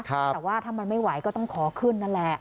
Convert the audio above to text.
แต่ว่าถ้ามันไม่ไหวก็ต้องขอขึ้นนั่นแหละ